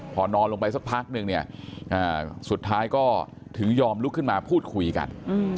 พอนอนลงไปสักพักนึงเนี่ยสุดท้ายก็ถึงยอมลุกขึ้นมาพูดคุยกัน